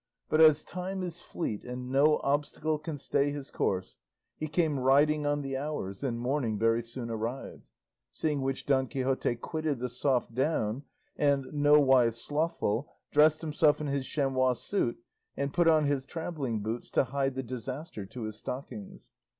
But as Time is fleet and no obstacle can stay his course, he came riding on the hours, and morning very soon arrived. Seeing which Don Quixote quitted the soft down, and, nowise slothful, dressed himself in his chamois suit and put on his travelling boots to hide the disaster to his stockings.